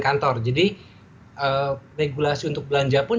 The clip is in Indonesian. kantor jadi regulasi untuk belanja pun